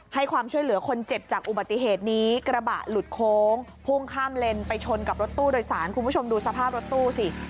ความช่วยเหลือคนเจ็บจากอุบัติเหตุนี้กระบะหลุดโค้งพุ่งข้ามเลนไปชนกับรถตู้โดยสารคุณผู้ชมดูสภาพรถตู้สิ